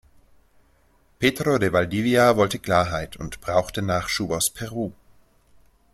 Pedro de Valdivia wollte Klarheit und brauchte Nachschub aus Peru.